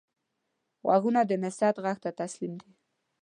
غوږونه د نصیحت غږ ته تسلیم دي